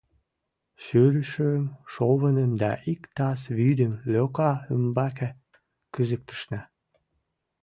Шӱрышым шовыным да ик таз вӱдым лӧка ӱмбаке кӱзыктышна!